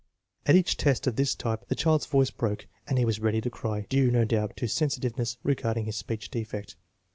at each test of this type the child's voice broke and he was ready to cry, due, no doubt, to sensitiveness regarding his speech defect.